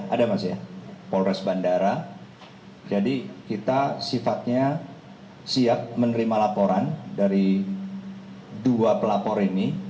ada mas ya polres bandara jadi kita sifatnya siap menerima laporan dari dua pelapor ini